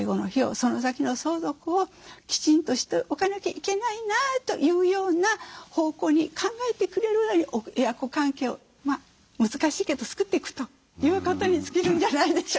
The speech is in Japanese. その先の相続をきちんとしておかなきゃいけないなというような方向に考えてくれるぐらいに親子関係を難しいけど作っていくということに尽きるんじゃないでしょうか。